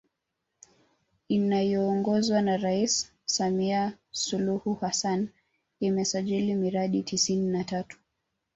Inayoongozwa na Rais Samia Suluhu Hassan imesajili miradi tisini na tatu